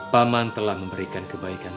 paman telah memberikan kebaikan